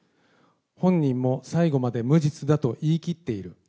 本人も最後まで無実だと言い切っている。